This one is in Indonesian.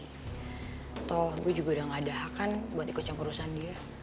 toh gue juga udah gak ada hak kan buat ikut campur urusan dia